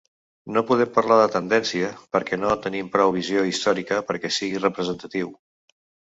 No podem parlar de tendència, perquè no tenim prou visió històrica perquè sigui representatiu.